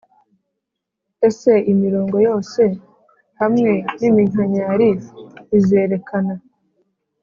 ese iyi mirongo yose hamwe n'iminkanyari bizerekana